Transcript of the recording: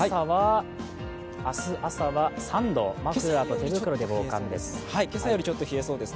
明日朝は３度、マフラーと手袋で防寒です。